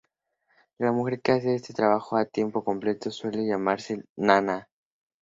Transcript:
La mujer que hace este trabajo a tiempo completo suele llamarse nana.